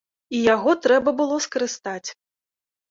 І яго трэба было скарыстаць.